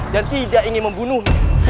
dan tidak ingin membunuh